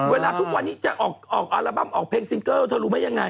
ทุกวันนี้จะออกอัลบั้มออกเพลงซิงเกิลเธอรู้ไหมยังไง